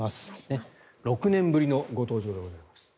６年ぶりのご登場でございます。